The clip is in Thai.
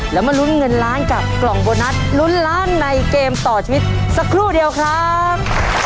แล้วมาลุ้นเงินล้านกับกล่องโบนัสลุ้นล้านในเกมต่อชีวิตสักครู่เดียวครับ